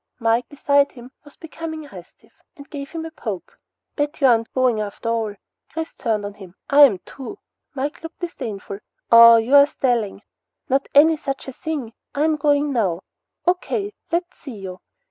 Mike, beside him, was becoming restive, and gave him a poke. "Betcha aren't goin' after all!" Chris turned on him. "Am too!" Mike looked disdainful. "Aw you're stalling!" "Not any sucha thing. I'm going now." "O.K. Let's see you."